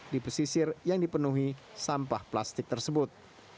di pesisir yang dipenuhi sampah plastik tersebut